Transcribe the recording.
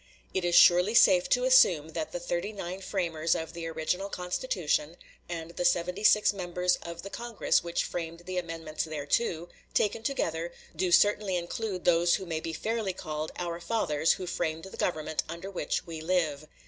It is surely safe to assume that the thirty nine framers of the original Constitution and the seventy six members of the Congress which framed the amendments thereto, taken together, do certainly include those who may be fairly called "our fathers who framed the Government under which we live."